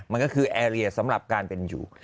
มันก็คือแอร์เรียสำหรับการเป็นอยู่